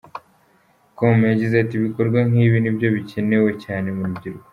com yagize ati “Ibikorwa nk’ibi nibyo bikenewe cyane mu rubyiruko.